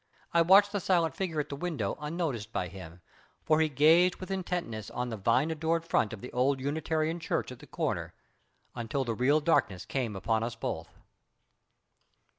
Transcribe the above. I watched the silent figure at the window unnoticed by him, for he gazed with intentness at the vine adorned front of the old Unitarian Church at the corner, until the real darkness came upon us both.